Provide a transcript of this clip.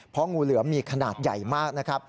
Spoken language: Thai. เพราะงูเหลือมมีขนาดใหญ่มาก